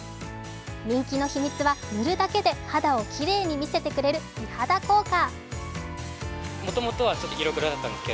人気の秘密は、塗るだけで肌をきれいに見せてくれる美肌効果。